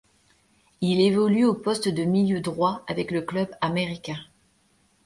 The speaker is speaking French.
Il évolue au poste de milieu droit avec le Club América.